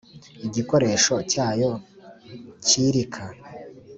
igikoresho cyayo cyirica